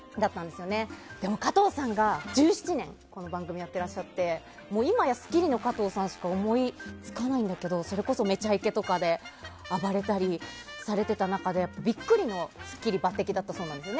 でも加藤さんが１７年この番組をやっていらっしゃって今や「スッキリ」の加藤さんしか思いつかないんだけどそれこそ「めちゃイケ」とかで暴れたりされていた中でビックリの「スッキリ」抜擢だったそうなんです。